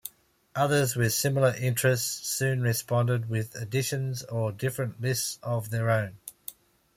Others with similar interests soon responded with additions or different lists of their own.